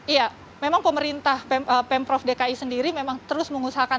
iya memang pemerintah pemprov dki sendiri memang terus mengusahakan